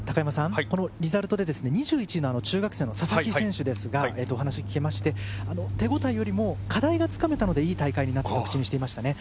このリザルトで２１位の中学生の佐々木選手ですがお話聞けまして手応えよりも課題がつかめたのでいい大会になったと口にしていましたね。